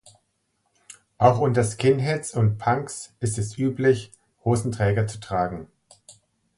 Auch unter Skinheads und Punks ist es üblich, Hosenträger zu tragen.